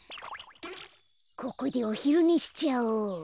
ここでおひるねしちゃおう。